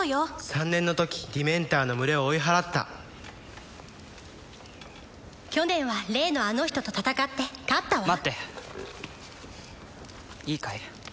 ３年の時ディメンターの群れを追い払った去年は例のあの人と戦って勝ったわ待っていいかい？